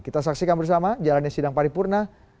kita saksikan bersama jalannya sidang paripurna